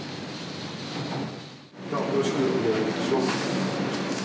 よろしくお願いします。